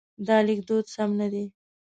دا لیکدود سم نه دی.